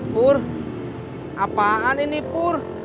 pur apaan ini pur